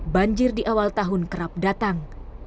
banjir di awal tahun kerap datang